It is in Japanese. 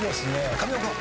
神尾君。